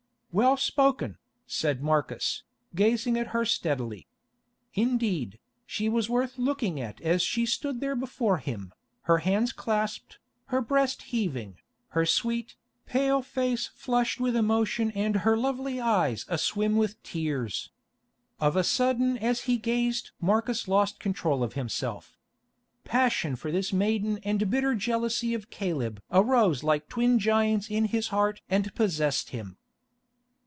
"Well spoken," said Marcus, gazing at her steadily. Indeed, she was worth looking at as she stood there before him, her hands clasped, her breast heaving, her sweet, pale face flushed with emotion and her lovely eyes aswim with tears. Of a sudden as he gazed Marcus lost control of himself. Passion for this maiden and bitter jealousy of Caleb arose like twin giants in his heart and possessed him.